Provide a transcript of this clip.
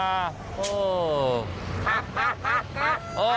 โอ้โฮ